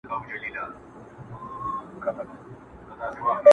چي « منظور» به هم د قام هم د الله سي!.